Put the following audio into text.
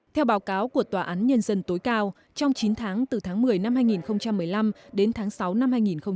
theo báo cáo của tòa án nhân dân tối cao trong chín tháng từ tháng một mươi năm hai nghìn một mươi năm đến tháng sáu năm hai nghìn một mươi chín